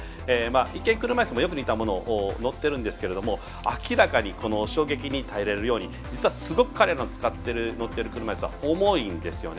一見、車いすもよく似たものを乗っているんですけれども明らかに、衝撃に耐えれるように実は、すごく彼の乗っている車いすは重いんですよね。